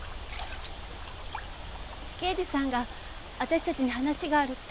刑事さんが私たちに話があるって。